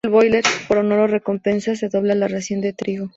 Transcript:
Por honor o recompensa se doblaba la ración de trigo.